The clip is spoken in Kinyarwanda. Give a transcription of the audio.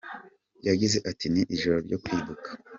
yagize ati, Ni ijoro ryo kwibuka.